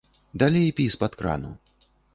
Далей пі з-пад крану.